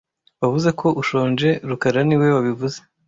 Wavuze ko ushonje rukara niwe wabivuze